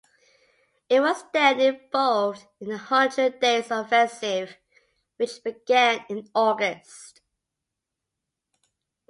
It was then involved in the Hundred Days Offensive which began in August.